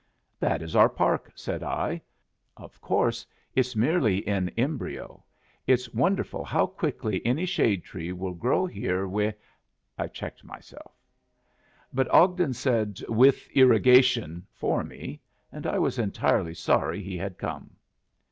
"That is our park," said I. "Of course it's merely in embryo. It's wonderful how quickly any shade tree will grow here wi " I checked myself. But Ogden said "with irrigation" for me, and I was entirely sorry he had come.